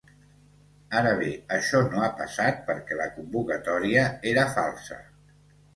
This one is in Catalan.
Ara bé, això no ha passat perquè la convocatòria era falsa.